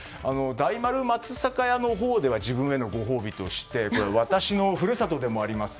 大丸松坂屋のほうでは自分へのご褒美として私の故郷でもあります